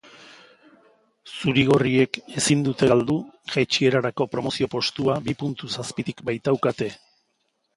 Zuri-gorriek ezin dute galdu jaitsierako promozio postua bi puntuz azpitik baitaukate.